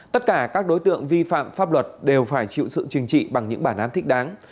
tất cả các đối tượng vi phạm pháp luật đều phải chịu sự chừng trị bằng những bản án thích đáng